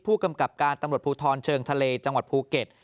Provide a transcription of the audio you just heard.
ผู้กำกับการตำรวจภูทรเชิงทะเลจังหวัดภูเก็ต